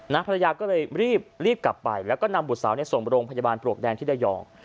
ภรรยาก็เลยรีบรีบกลับไปแล้วก็นำบุตรสาวส่งโรงพยาบาลปลวกแดงที่ระยอง